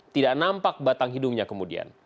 tidak nampak batang hidungnya kemudian